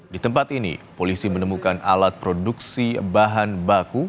di tempat ini polisi menemukan alat produksi bahan baku